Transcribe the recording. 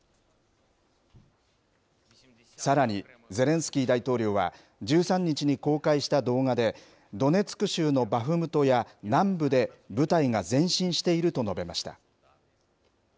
さらにゼレンスキー大統領は、１３日に公開した動画で、ドネツク州のバフムトや南部で、部隊が前進していると述べました。